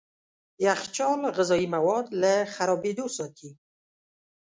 يخچال غذايي مواد له خرابېدو ساتي.